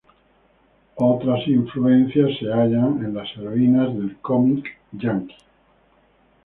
Otras influencias se hallan en las heroínas del cómic estadounidense.